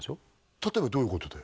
例えばどういうことで？